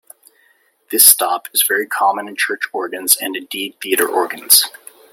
This stop is very common in church organs and indeed theatre organs.